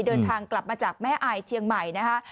เดินทางกลับมาจากแม่อายเชียงใหม่นะคะ